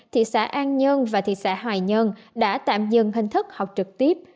thị xã an nhân và thị xã hòa nhân đã tạm dừng hình thức học trực tiếp